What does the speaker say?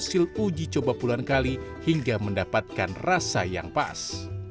ramen didapatkan berdasarkan hasil uji coba puluhan kali hingga mendapatkan rasa yang pas